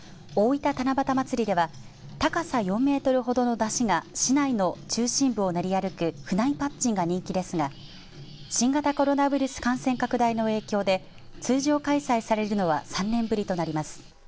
大分七夕まつりでは高さ４メートルほどの山車が市内の中心部を練り歩く府内戦紙が人気ですが新型コロナウイルス感染拡大の影響で通常開催されるのは３年ぶりとなります。